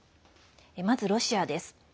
まず、ロシアです。